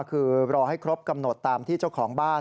คือรอให้ครบกำหนดตามที่เจ้าของบ้าน